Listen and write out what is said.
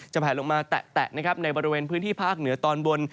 แผลลงมาแตะนะครับในบริเวณพื้นที่ภาคเหนือตอนบน